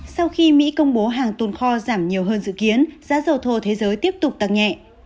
sau khi mỹ công bố hàng tồn kho giảm nhiều hơn dự kiến giá dầu thô thế giới tiếp tục tăng nhẹ